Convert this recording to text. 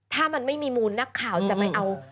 ถ้ามันไม่มีมูลนักข่าวจะไปเอา